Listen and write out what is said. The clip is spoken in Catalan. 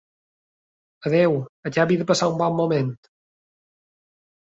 Adéu, acabi de passar un bon moment.